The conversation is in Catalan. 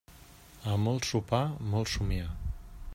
A molt sopar, molt somniar.